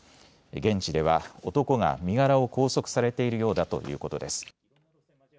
現地では男が身柄を拘束されているようだということです。